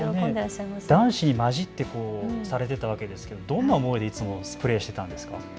男子に交じってされてたわけですけどどんな思いでいつもプレーしてたんですか。